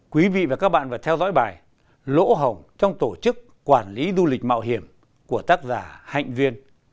quý vị và các bạn vừa theo dõi bài lỗ hồng trong tổ chức quản lý du lịch mạo hiểm của tác giả hạnh viên